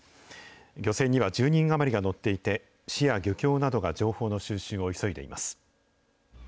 漁船には１０人余りが乗っていて、市や漁協などが情報の収集を急いでいます。